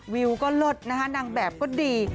วิวก็เลิศนะคะนางแบบก็ดี